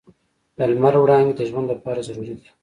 د لمر وړانګې د ژوند لپاره ضروري دي.